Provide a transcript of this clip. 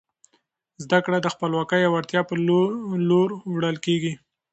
زده کړه د خپلواکۍ او وړتیا په لور وړل کیږي.